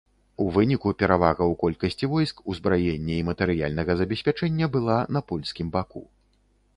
У выніку перавага ў колькасці войск, узбраення і матэрыяльнага забеспячэння была на польскім баку.